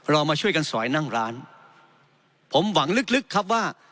เรามาช่วยกันสอยนั่งร้านผมหวังลึกครับว่า